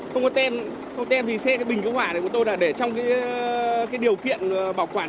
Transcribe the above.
không có tem không có tem vì xe bình cứu hỏa này của tôi là để trong cái điều kiện bảo quản